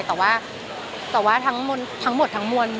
แต่ว่าทั้งหมดทั้งมวล